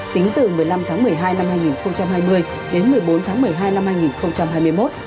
tính từ một mươi năm tháng một mươi hai năm hai nghìn hai mươi đến một mươi bốn tháng một mươi hai năm hai nghìn hai mươi một